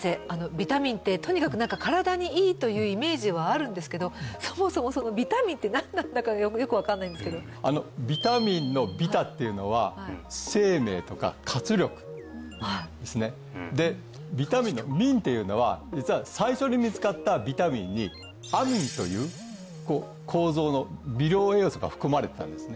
ビタミンってとにかく何か身体にいいというイメージはあるんですけどそもそもそのビタミンって何なんだかよく分かんないんですけどビタミンのビタっていうのは生命とか活力ですねでビタミンのミンっていうのは実は最初に見つかったビタミンにアミンという構造の微量栄養素が含まれてたんですね